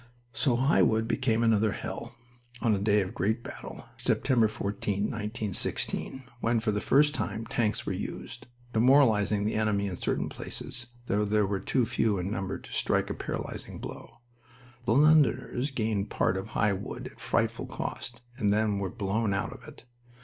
So High Wood became another hell, on a day of great battle September 14, 1916 when for the first time tanks were used, demoralizing the enemy in certain places, though they were too few in number to strike a paralyzing blow. The Londoners gained part of High Wood at frightful cost and then were blown out of it.